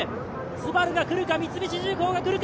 ＳＵＢＡＲＵが来るか、三菱重工が来るか？